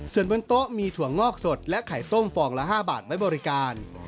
ส่วนบนโต๊ะมีถั่วงอกสดและไข่ต้มฟองละ๕บาทไว้บริการ